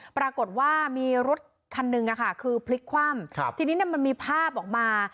ปรากฏว่ามีรถคันหนึ่งคือพลิกคว่ำทีนี้มันมีภาพออกมา